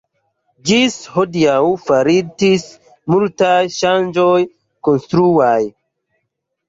Ĝis hodiaŭ faritis multaj ŝanĝoj konstruaj.